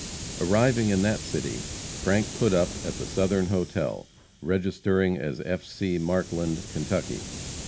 Arrived in that city, Frank put up at the Southern Hotel, registering as "F. C. Markland, Kentucky."